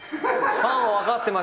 ファンは分かってます。